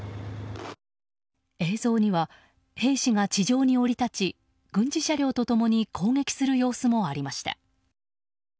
映像には兵士が地上に降り立ち軍事車両と共に攻撃する様子もありました。